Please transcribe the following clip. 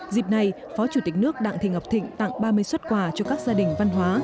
dịp này phó chủ tịch nước đặng thị ngọc thịnh tặng ba mươi xuất quà cho các gia đình văn hóa